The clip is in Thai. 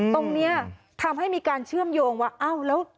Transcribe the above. ตรงนี้ทำให้มีการเชื่อมโยงว่า